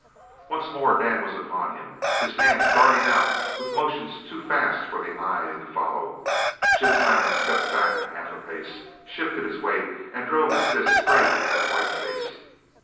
Once more Dan was upon him, his hands darting out with motions too fast for the eye to follow. Jim Silent stepped back a half pace, shifted his weight, and drove his fist straight at that white face.